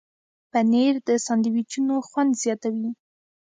پنېر د ساندویچونو خوند زیاتوي.